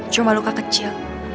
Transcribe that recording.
cuma luka kecil